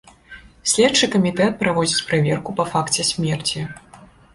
Следчы камітэт праводзіць праверку па факце смерці.